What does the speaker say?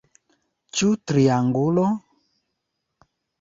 Ĉu triangulo?